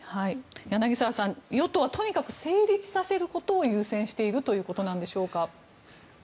柳澤さん、与党はとにかく成立させることを優先しているということなんでしょうか。